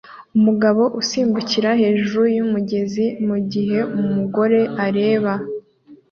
Umugabo usimbukira hejuru yumugezi mugihe umugore areba